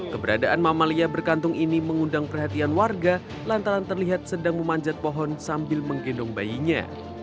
keberadaan mamalia berkantung ini mengundang perhatian warga lantaran terlihat sedang memanjat pohon sambil menggendong bayinya